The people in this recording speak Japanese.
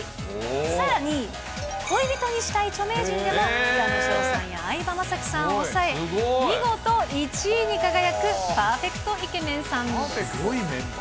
さらに、恋人にしたい著名人でも、平野紫耀さんや相葉雅紀さんを抑え、見事１位に輝くパーフェクトイケメンさんです。